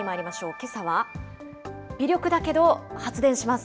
けさは、微力だけど発電します。